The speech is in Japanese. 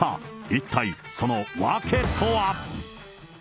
一体その訳とは。